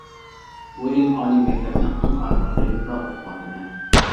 بۇ يىل ئالىي مەكتەپنىڭ ئەڭ ئاخىرقى يىلىدا ئوقۇۋاتىمەن.